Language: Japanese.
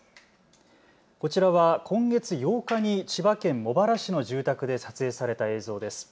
こちらは今月８日に千葉県茂原市の住宅で撮影された映像です。